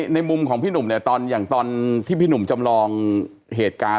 ในมุมของพี่หนุ่มเนี่ยตอนอย่างตอนที่พี่หนุ่มจำลองเหตุการณ์